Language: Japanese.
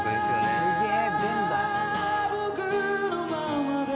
すげえ。